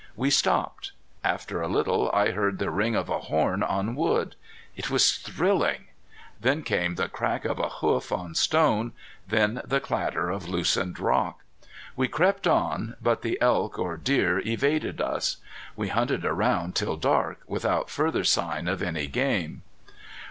We stopped. After a little I heard the ring of a horn on wood. It was thrilling. Then came the crack of a hoof on stone, then the clatter of a loosened rock. We crept on. But that elk or deer evaded us. We hunted around till dark without farther sign of any game.